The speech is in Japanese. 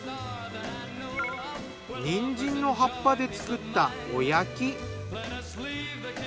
にんじんの葉っぱで作ったおやき。